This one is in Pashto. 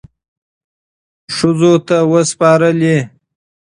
ښځو ته وسپارلې،